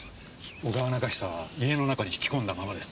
小川長久は家の中に引き込んだままです。